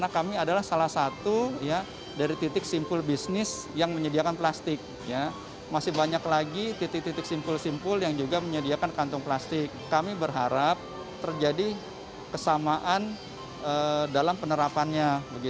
kami berharap terjadi kesamaan dalam penerapannya